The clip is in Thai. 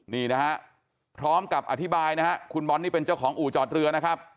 นี่นะฮะพร้อมกับอธิบายนะฮะคุณบอลนี่เป็นเจ้าของอู่จอดเรือนะครับ